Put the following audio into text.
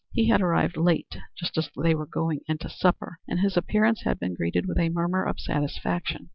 He had arrived late, just as they were going in to supper, and his appearance had been greeted with a murmur of satisfaction.